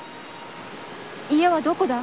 家はどこだ？